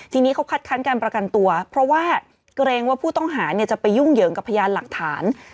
ทีนี้เขาคัดค้านการประกันตัวเพราะว่าเกรงว่าผู้ต้องหาจะไปยุ่งเหยิงกับพยานหลักฐาน